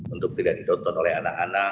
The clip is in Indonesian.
untuk tidak ditonton oleh anak anak